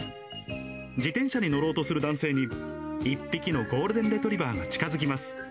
自転車に乗ろうとする男性に、１匹のゴールデンレトリバーが近づきます。